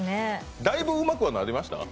だいぶうまくはなりました？